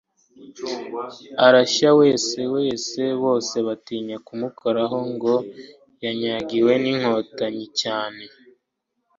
arashya wese wese bose batinya kumukora ngo badashya ngo yanyagiwe n'inkotanyi cyane;